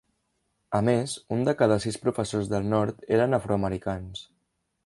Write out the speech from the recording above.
A més, un de cada sis professors del nord eren afroamericans.